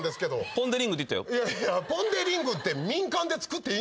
ポン・デ・リングって民間で作っていいんですか？